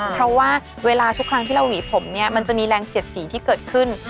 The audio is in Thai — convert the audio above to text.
เพราะว่าเวลาทุกครั้งที่เราหวีผมเนี่ยมันจะมีแรงเสียดสีที่เกิดขึ้น